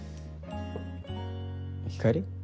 ひかり？